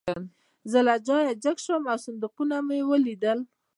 زه له ځایه جګ شوم او صندوقونه مې ولیدل